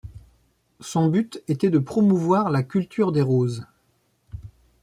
Son but était de promouvoir la culture des roses.